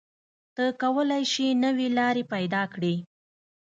ته کولی شې نوې لارې پیدا کړې.